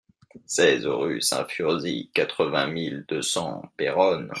seize rue Saint-Fursy, quatre-vingt mille deux cents Péronne